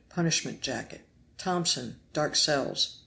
punishment jacket. Tomson. Dark cells.